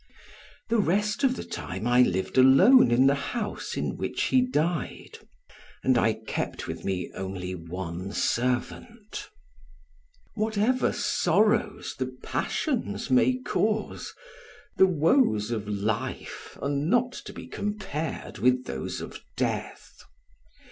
The rest of the time I lived alone in the house in which he died and I kept with me only one servant. Whatever sorrows the passions may cause, the woes of life are not to be compared with those of death.